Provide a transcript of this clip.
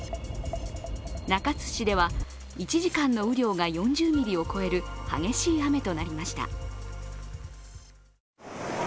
中津市では、１時間の雨量が４０ミリを超える激しい雨となりました。